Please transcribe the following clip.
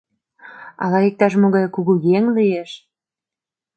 Ала иктаж-могай кугу еҥ лиеш».